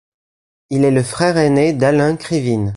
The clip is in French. Il est le frère ainé d'Alain Krivine.